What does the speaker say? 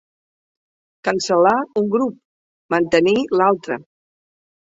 Cancel·lar un grup, mantenir l'altre.